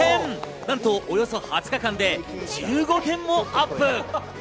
なんとおよそ２０日間で１５点もアップ。